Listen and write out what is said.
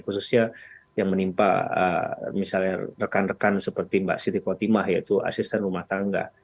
khususnya yang menimpa misalnya rekan rekan seperti mbak siti kotimah yaitu asisten rumah tangga